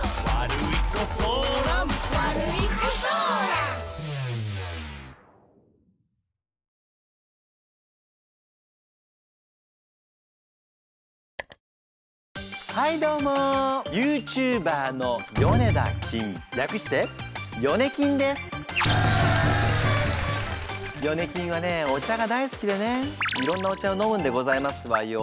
りゃくしてヨネキンはねお茶が大好きでねいろんなお茶を飲むんでございますわよ。